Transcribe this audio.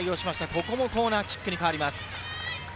ここもコーナーキックに変わります。